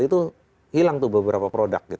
itu hilang tuh beberapa produk